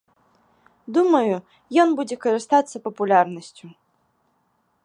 Думаю, ён будзе карыстацца папулярнасцю.